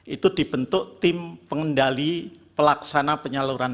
itu dibentuk tim pengendali pelaksana penyaluran